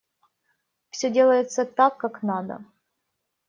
Все делается так, как надо.